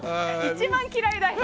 一番嫌いだよ。